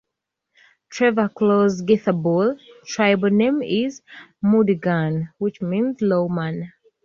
Trevor Close Githabul Tribal name is Mudargun which means lawman.